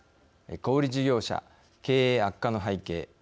小売事業者、経営悪化の背景